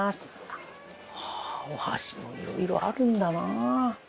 ああお箸もいろいろあるんだな。